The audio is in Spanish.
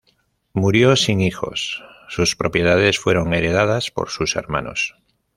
Murió sin hijos, sus propiedades fueron heredadas por sus hermanos.